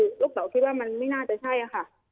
คือลูกเต๋าคิดว่ามันไม่น่าจะใช่ค่ะ